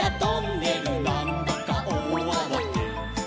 「なんだかおおあわて」